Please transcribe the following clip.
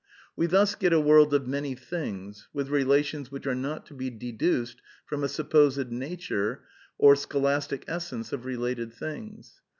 We thns get a world of many things, with rdations which are not to be dednced from a supposed 'nature' or schohistic essence of re hited things.